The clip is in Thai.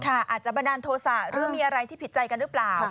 อาจจะบันดาลโทษะหรือมีอะไรที่ผิดใจกันหรือเปล่า